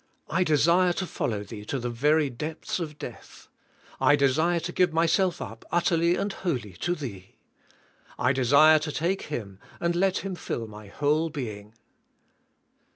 I desire to follow Thee to the very depths of death. I desire to give myself up utterly and Yv^holly to Thee. I desire to take Him and let Him fill my whole being".